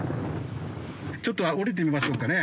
ちょっと降りてみましょうかね。